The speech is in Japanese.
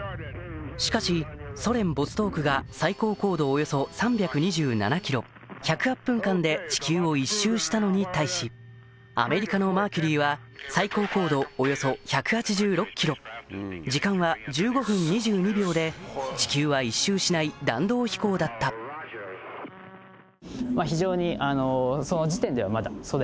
しかしソ連ボストークが最高高度およそ３２７ｋｍ１０８分間で地球を１周したのに対しアメリカのマーキュリーは最高高度およそ１８６ｋｍ時間は１５分２２秒で地球は１周しない弾道飛行だった非常に。